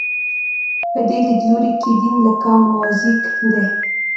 په دې لیدلوري کې دین لکه موزاییک دی.